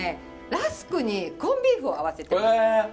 ラスクにコンビーフを合わせています。